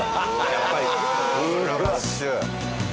やっぱりスプラッシュ。